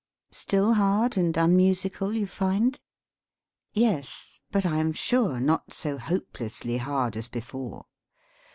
Still hard and unmusical you find? Yes, but I am sure not so hopelessly hard as before.